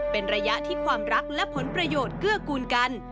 เป็นระยะที่ความรักและผลประโยชน์เกื้อกูลกัน